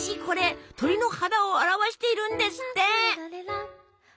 これ鳥の肌を表しているんですって。